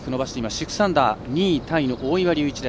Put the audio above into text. ６アンダー、２位タイの大岩龍一。